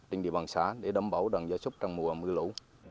để đảm bảo đoàn giới chúc trong mùa mưa lũ